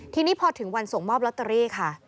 ทีนี้พอถึงวันส่งมอบลอตเตอรี่ค่ะ